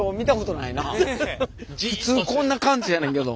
普通こんな感じやねんけど。